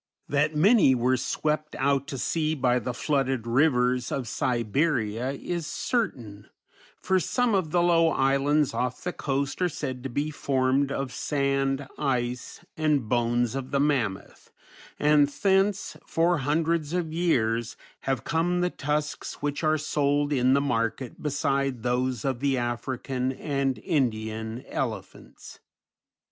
That many were swept out to sea by the flooded rivers of Siberia is certain, for some of the low islands off the coast are said to be formed of sand, ice, and bones of the mammoth, and thence, for hundreds of years, have come the tusks which are sold in the market beside those of the African and Indian elephants.